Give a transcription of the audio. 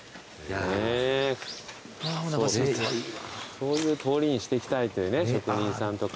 そういう通りにしていきたいというね職人さんとか。